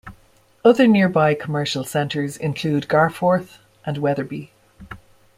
Other nearby commercial centres include Garforth and Wetherby.